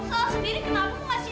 sergey perima kasih